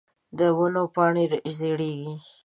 د ونو پاڼی زیړیږې